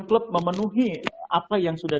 klub memenuhi apa yang sudah